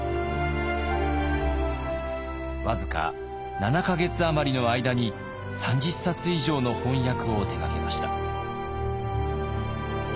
僅か７か月余りの間に３０冊以上の翻訳を手がけました。